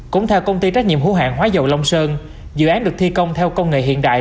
cũng theo công ty trách nhiệm hữu hạng hóa dầu long sơn dự án được thi công theo công nghệ hiện đại